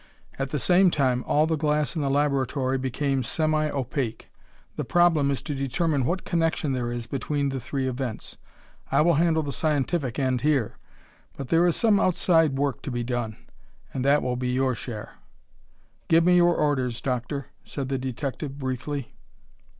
At the same time, all the glass in the laboratory became semi opaque. The problem is to determine what connection there is between the three events. I will handle the scientific end here, but there is some outside work to be done, and that will be your share." "Give your orders, Doctor," said the detective briefly.